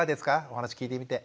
お話聞いてみて。